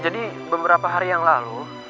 jadi beberapa hari yang lalu